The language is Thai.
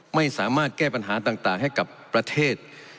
ไม่สามารถแก้ปัญหาต่างให้กับประเทศ